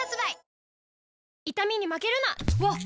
わっ！